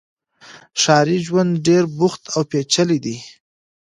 ښاري ژوند ډېر بوخت او پېچلی وي.